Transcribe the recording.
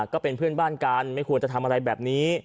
ก็เป็นเพื่อนบ้านกันไม่ควรจะทำอะไรแบบนี้